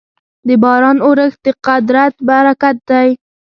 د باران اورښت د قدرت برکت دی.